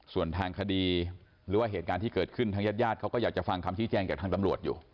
ส่วนทางคดีหรือว่าเหตุการณ์ที่เกิดขึ้นทางญาติญาติเขาก็อยากจะฟังคำชี้แจงจากทางตำรวจอยู่